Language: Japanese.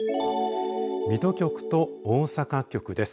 水戸局と大阪局です。